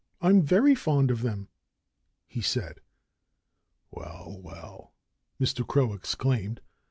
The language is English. "I'm very fond of them," he said. "Well, well!" Mr. Crow exclaimed.